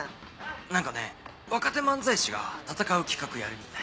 何かね若手漫才師が戦う企画やるみたい。